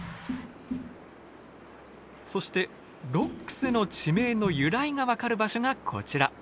そしてロックスの地名の由来が分かる場所がこちら。